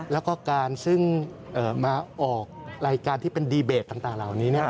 แล้วก็การซึ่งมาออกรายการที่เป็นดีเบตต่างเหล่านี้